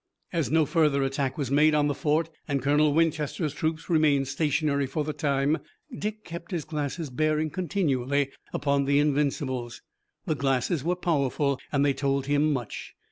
As no further attack was made on the fort, and Colonel Winchester's troop remained stationary for the time, Dick kept his glasses bearing continually upon the Invincibles. The glasses were powerful and they told him much.